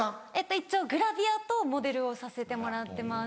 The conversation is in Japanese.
一応グラビアとモデルをさせてもらってます。